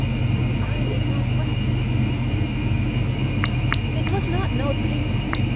But I did not grasp it. It was not note paper.